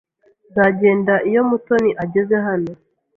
Nzagenda iyo Mutoni ageze hano.